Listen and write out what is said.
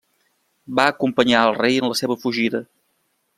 Va acompanyar al rei en la seva fugida.